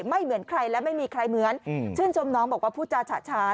ไม่เหมือนใครและไม่มีใครเหมือนชื่นชมน้องบอกว่าพูดจาฉะฉาน